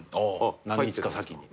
何日か先に。